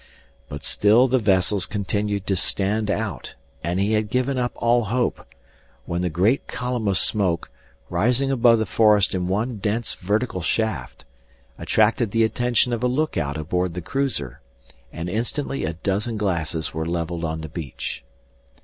But still the vessels continued to stand out; and he had given up all hope, when the great column of smoke, rising above the forest in one dense vertical shaft, attracted the attention of a lookout aboard the cruiser, and instantly a dozen glasses were leveled on the beach.